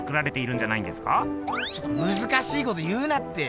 ちょっとむずかしいこと言うなって。